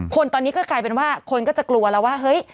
คนตอนนี้ก็กลายเป็นว่าคนก็จะกลัวแล้วว่าเฮ้ย